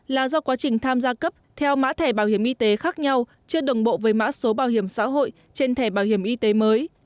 là do quá trình tham gia cấp theo mã thẻ bảo hiểm y tế khác nhau chưa đồng bộ với mã số bảo hiểm xã hội trên thẻ bảo hiểm y tế mới